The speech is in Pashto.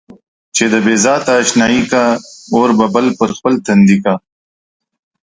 چې د بې ذاته اشنايي کا اور به بل پر خپل تندي کا.